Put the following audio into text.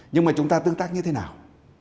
nhưng mà chúng ta tương tác như thế nào